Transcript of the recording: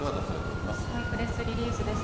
プレスリリースです。